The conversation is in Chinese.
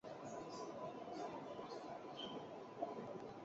北疆锦鸡儿为豆科锦鸡儿属下的一个种。